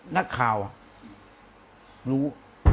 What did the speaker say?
นักข่าวอ่ะรู้